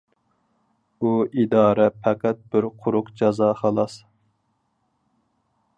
ئۇ ئىدارە پەقەت بىر قۇرۇق جازا خالاس.